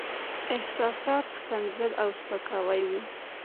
احساسات، ښکنځل او سپکاوي وو.